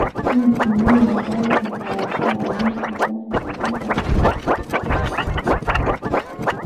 ipi eeh ambao itawafaa wamisri sasa katika